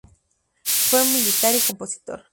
Fue militar y compositor.